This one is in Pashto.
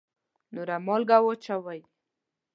نوره مالګه واچوئ